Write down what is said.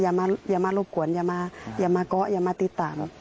อย่ามารบกวนอย่ามาเกาะอย่าม่าติดตาม